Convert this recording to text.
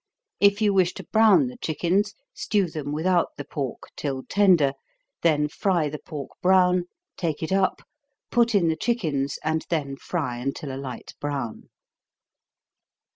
If you wish to brown the chickens, stew them without the pork, till tender, then fry the pork brown, take it up, put in the chickens, and then fry until a light brown.